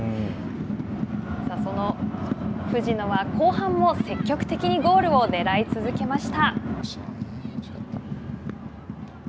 その藤野は、後半も積極的にゴールをねらい続けました。